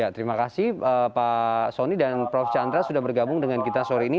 terima kasih pak soni dan prof chandra sudah bergabung dengan kita sore ini